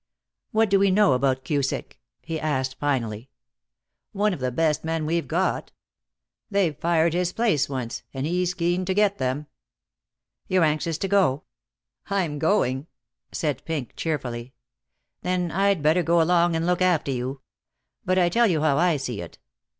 "What do we know about Cusick?" he asked, finally. "One of the best men we've got. They've fired his place once, and he's keen to get them." "You're anxious to go?" "I'm going," said Pink, cheerfully. "Then I'd better go along and look after you. But I tell you how I see it.